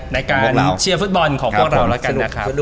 ในการเชียร์ฟุตบอลของพวกเราแล้วกันนะครับ